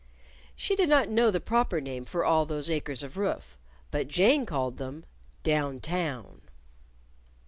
She did not know the proper name for all those acres of roof. But Jane called them Down Town.